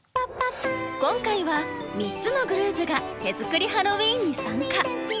今回は３つのグループが手作りハロウィーンに参加。